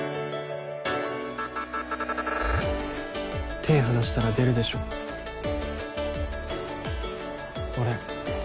手離したら出るでしょ俺